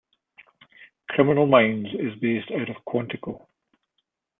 "Criminal Minds" is based out of Quantico.